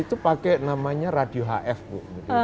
itu pakai namanya radio hf bu